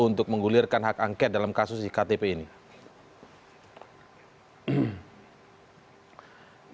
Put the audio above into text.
untuk menggulirkan hak angket dalam kasus di ktp ini